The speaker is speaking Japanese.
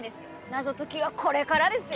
謎解きはこれからですよ！